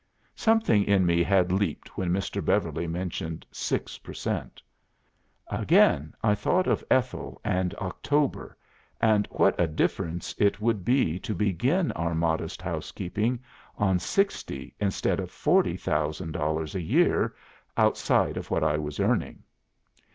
'" "Something in me had leaped when Mr. Beverly mentioned six per cent. Again I thought of Ethel and October, and what a difference it would be to begin our modest housekeeping on sixty instead of forty thousand dollars a year, outside of what I was earning.